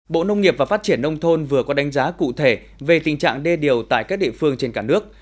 bộ nông nghiệp và phát triển nông thôn vừa có đánh giá cụ thể về tình trạng đê điều tại các địa phương trên cả nước